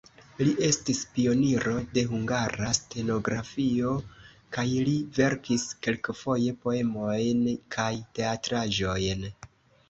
Li estis pioniro de hungara stenografio kaj li verkis kelkfoje poemojn kaj teatraĵojn.